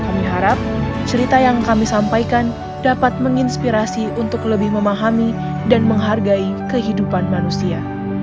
kami harap cerita yang kami sampaikan dapat menginspirasi untuk lebih memahami dan menghargai kehidupan manusia